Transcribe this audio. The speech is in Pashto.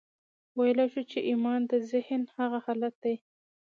ويلای شو چې ايمان د ذهن هغه حالت دی.